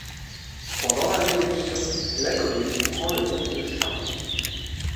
Pendant la Révolution, la commune prend le nom de Charmont.